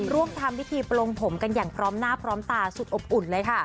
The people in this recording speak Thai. ร่วมทำพิธีปลงผมกันอย่างพร้อมหน้าพร้อมตาสุดอบอุ่นเลยค่ะ